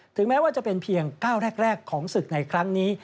แม้ว่าจะเป็นเพียงก้าวแรกของศึกในครั้งนี้